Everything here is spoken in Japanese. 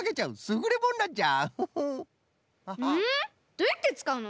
どうやってつかうの？